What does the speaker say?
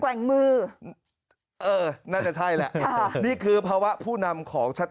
เล่นมือเออน่าจะใช่แหละค่ะนี่คือภาพุถนำของชาติ